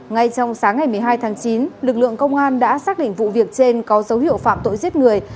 ngay trong sáng ngày một mươi hai tháng chín lực lượng công an đã xác định vụ việc trên có dấu hiệu phạm tội giết người